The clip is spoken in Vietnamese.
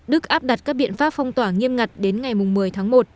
đức áp đặt các biện pháp phong tỏa nghiêm ngặt đến ngày một mươi tháng một